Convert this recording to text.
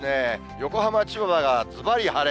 横浜、千葉がずばり晴れ。